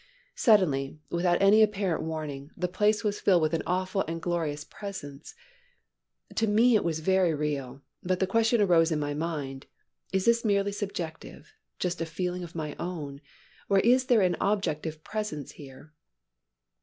Suddenly, without any apparent warning, the place was filled with an awful and glorious Presence. To me it was very real, but the question arose in my mind, "Is this merely subjective, just a feeling of my own, or is there an objective Presence here?"